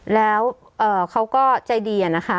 แล้วเขาก็ใจดีอะนะคะ